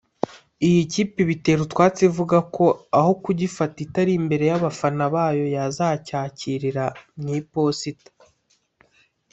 iyi kipe ibitera utwatsi ivuga ko aho kugifata itari imbere y’abafana bayo yazacyakirira mu iposita